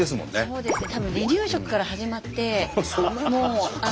そうですね。